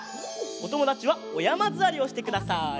おともだちはおやまずわりをしてください。